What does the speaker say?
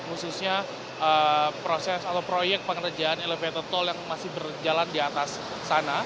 khususnya proses atau proyek pengerjaan elevated tol yang masih berjalan di atas sana